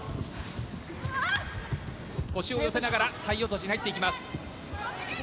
腰を寄せながら体落としに入っていきます。